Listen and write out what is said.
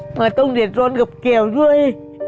มันต้องเด็ดร้อนกับเขียวด้วย